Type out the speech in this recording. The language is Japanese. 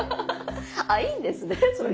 あいいんですねそれでも。